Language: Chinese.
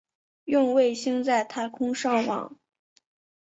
用卫星在太空上网